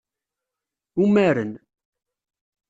Umaren.